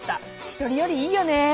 一人よりいいよね。